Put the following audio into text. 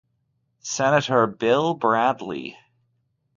Senator Bill Bradley.